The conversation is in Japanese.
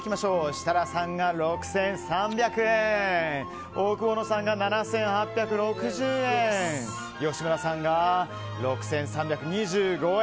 設楽さんが６３００円オオクボーノさんが７８６０円吉村さんが６３２５円